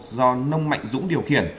do nông mạnh dũng điều khiển